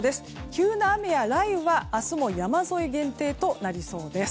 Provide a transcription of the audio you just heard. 急な雨や雷雨は明日も山沿い限定となりそうです。